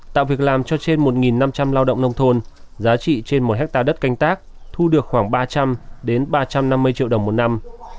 tạo việc làm cho trên một năm trăm linh lao động nông thôn giá trị trên một hectare đất canh tác thu được khoảng ba trăm linh ba trăm năm mươi triệu đồng một năm